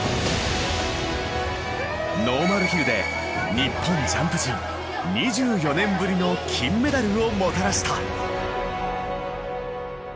ノーマルヒルで日本ジャンプ陣２４年ぶりの金メダルをもたらした。